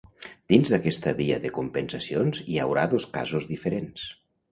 Dins d’aquesta via de compensacions hi haurà dos casos diferents.